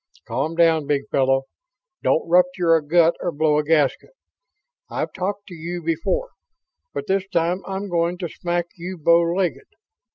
"Calm down, big fellow. Don't rupture a gut or blow a gasket. I've talked to you before, but this time I'm going to smack you bow legged.